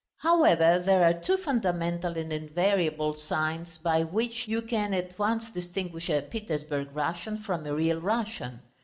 However, there are two fundamental and invariable signs by which you can at once distinguish a Petersburg Russian from a real Russian.